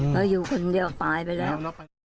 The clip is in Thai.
แล้วอยู่คนเดียวตายไปแล้ว